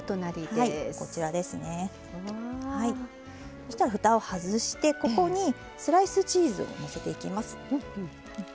そうしたらふたを外してここにスライスチーズをのせていきます。